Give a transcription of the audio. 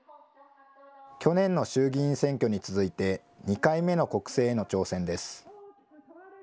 去年の衆議院選挙に続いて２回目の国政への挑戦です。